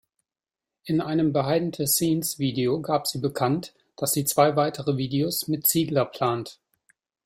In einem Behind-the-Scenes-Video gab sie bekannt, dass sie zwei weitere Videos mit Ziegler plant.